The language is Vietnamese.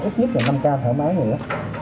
ít nhất là năm ca thở máy nữa